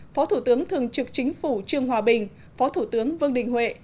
phó thủ tướng thường trực chính phủ trương hòa bình phó thủ tướng vương đình huệ